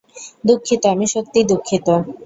দুঃখিত, আমি সত্যিই দুঃখিত।